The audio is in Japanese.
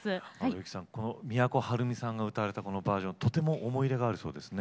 由紀さんこの都はるみさんが歌われたこのバージョンとても思い入れがあるそうですね。